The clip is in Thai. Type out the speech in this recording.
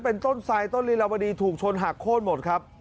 เป็นต้นไซด์ต้นลิลวดีถูกชนหักโค้ดหมด